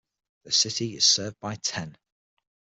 The city is served by Ten.